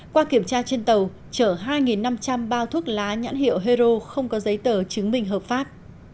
qua kiểm tra trên tàu chở hai năm trăm linh bao thuốc lá nhãn hiệu hero không có giấy tờ chứng minh hợp pháp